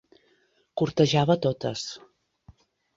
Cortejava a totes.